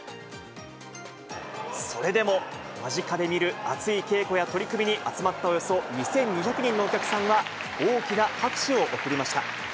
それでも、間近で見る熱い稽古や取組に集まったおよそ２２００人のお客さんは、大きな拍手を送りました。